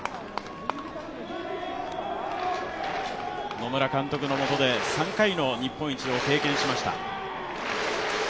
野村監督のもとで３回の日本一を経験しました。